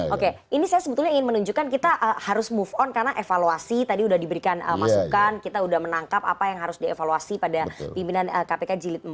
oke ini saya sebetulnya ingin menunjukkan kita harus move on karena evaluasi tadi sudah diberikan masukan kita sudah menangkap apa yang harus dievaluasi pada pimpinan kpk jilid empat